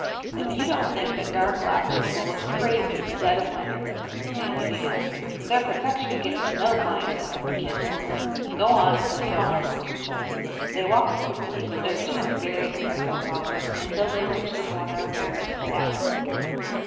"If you don't think dark glasses will look crazy, in the dead of winter—" Sandy began. "They're a protection against snow blindness," Ken told him. "Go on. Put them on." They walked quickly, their chins buried in their coat collars, until they reached the corner of Barrack's block.